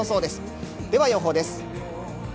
では予報です。